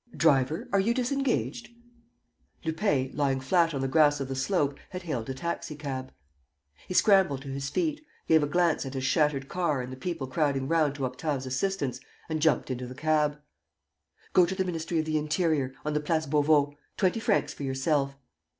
"Driver, are you disengaged?" Lupin, lying flat on the grass of the slope, had hailed a taxi cab. He scrambled to his feet, gave a glance at his shattered car and the people crowding round to Octave's assistance and jumped into the cab: "Go to the Ministry of the Interior, on the Place Beauvau ... Twenty francs for yourself.